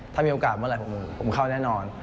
ถ้ามีโอกาสเมื่อไหร่ผมเข้าแน่นอน